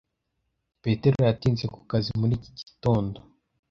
Petero yatinze ku kazi muri iki gitondo.